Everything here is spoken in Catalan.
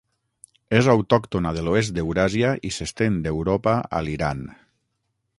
És autòctona de l'oest d'Euràsia i s'estén d'Europa a l'Iran.